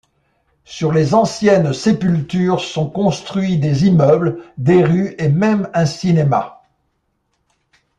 Sur les anciennes sépultures sont construits des immeubles, des rues et même un cinéma.